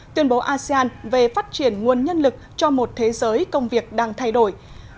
tuyên bố asean về phát triển nguồn nhân lực cho một thế giới công việc đang thay đổi